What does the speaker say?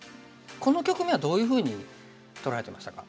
この局面はどういうふうに捉えてましたか？